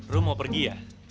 lo mau pergi ya